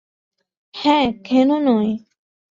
হ্যাঁ, কেন নয়?